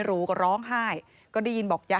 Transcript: พบหน้าลูกแบบเป็นร่างไร้วิญญาณ